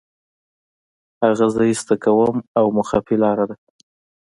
هغه زه ایسته کوم او مخفي لاره ده